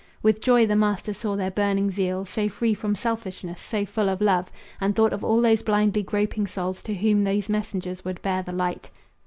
With joy the master saw their burning zeal, So free from selfishness, so full of love, And thought of all those blindly groping souls To whom these messengers would bear the light.